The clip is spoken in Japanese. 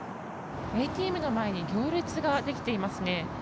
ＡＴＭの前に行列ができていますね。